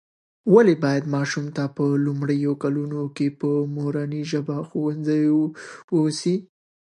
ولې باید ماشوم ته په لومړیو کلونو کې په مورنۍ ژبه ښوونه وسي؟